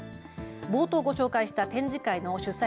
冒頭ご紹介した展示会の主催